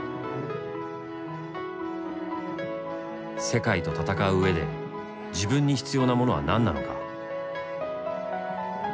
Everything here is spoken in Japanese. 世界と戦う上で自分に必要なものは何なのか。